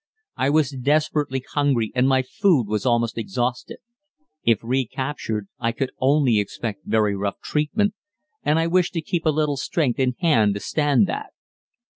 I was desperately hungry and my food was almost exhausted. If recaptured I could only expect very rough treatment, and I wished to keep a little strength in hand to stand that.